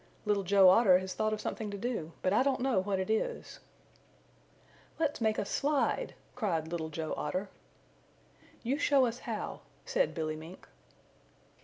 "Little Joe Otter has thought of something to do, but I don't know what it is." "Let's make a slide," cried Little Joe Otter. "You show us how," said Billy Mink.